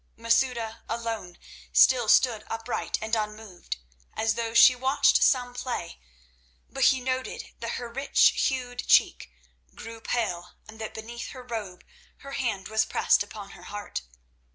Masouda alone still stood upright and unmoved, as though she watched some play, but he noted that her rich hued cheek grew pale and that beneath her robe her hand was pressed upon her heart.